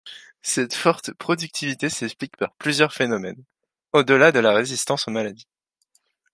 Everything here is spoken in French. Cette forte productivité s'explique par plusieurs phénomènes, au-delà de la résistance aux maladies.